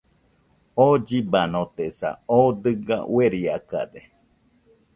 oo llibanotesa, oo dɨga ueriakade